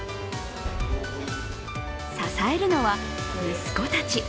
支えるのは息子たち。